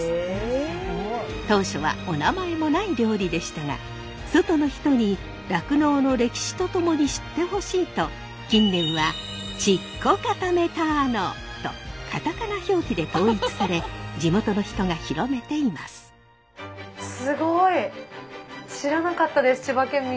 当初はおなまえもない料理でしたが外の人に酪農の歴史と共に知ってほしいと近年はチッコカタメターノとカタカナ表記で統一され地元の人が広めています。